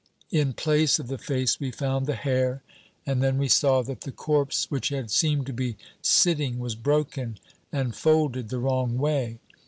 In place of the face we found the hair, and then we saw that the corpse which had seemed to be sitting was broken, and folded the wrong way.